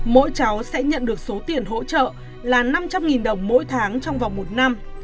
mỗi cháu sẽ nhận được số tiền hỗ trợ là năm trăm linh đồng mỗi tháng trong vòng một năm